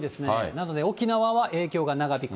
なので沖縄は影響が長引く。